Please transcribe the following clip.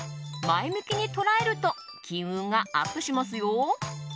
前向きに捉えると金運がアップしますよ。